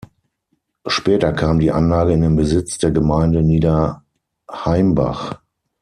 Später kam die Anlage in den Besitz der Gemeinde Niederheimbach.